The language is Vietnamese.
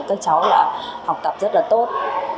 các cháu học tập rất là tốt